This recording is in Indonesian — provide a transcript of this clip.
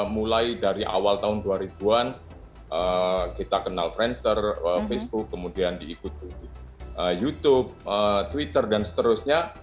mulai dari awal tahun dua ribu an kita kenal friencer facebook kemudian diikuti youtube twitter dan seterusnya